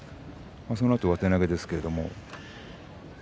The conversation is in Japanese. そのあと上手投げですけれども。